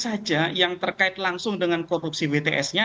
siapa saja yang terkait langsung dengan korupsi bts nya